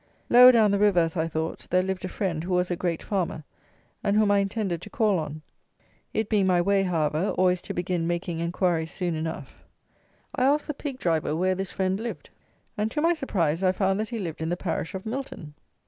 Lower down the river, as I thought, there lived a friend, who was a great farmer, and whom I intended to call on. It being my way, however, always to begin making enquiries soon enough, I asked the pig driver where this friend lived; and, to my surprise, I found that he lived in the parish of Milton.